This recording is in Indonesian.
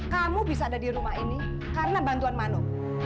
kamu bisa ada di rumah ini karena bantuan manu